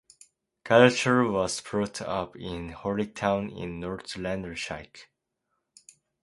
Gallacher was brought up in Holytown in North Lanarkshire.